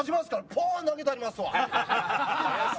ポーン投げたりますわ。